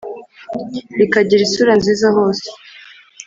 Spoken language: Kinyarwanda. ikagira isura nziza hose.